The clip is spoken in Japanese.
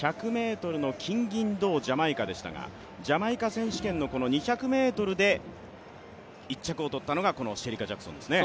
１００ｍの金銀銅ジャマイカでしたがジャマイカ選手権の２００ｍで１着を取ったのがこのシェリカ・ジャクソンですね。